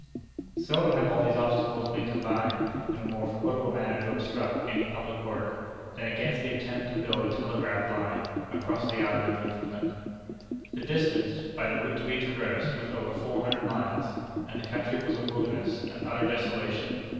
Seldom have all these obstacles been combined in a more formidable manner to obstruct any public work, than against the attempt to build a telegraph line across the island of Newfoundland. The distance, by the route to be traversed, was over four hundred miles, and the country was a wilderness, an utter desolation.